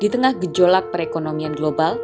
di tengah gejolak perekonomian global